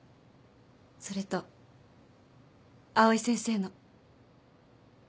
それと藍井先生の。